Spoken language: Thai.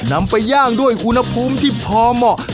นำไปย่างด้วยอุณหภูมิที่พอเหมาะ